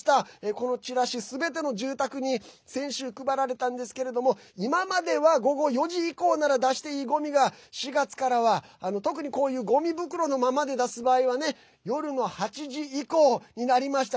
このチラシ、すべての住宅に先週、配られたんですけれども今までは午後４時以降なら出していいごみが４月からは、特にこういうごみ袋のままで出す場合はね夜の８時以降になりました。